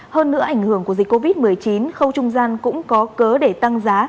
hơn nữa ảnh hưởng của dịch covid một mươi chín khâu trung gian cũng có cớ để tăng giá